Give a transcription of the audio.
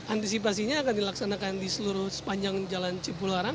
antisipasinya akan dilaksanakan di seluruh sepanjang jalan cipul haram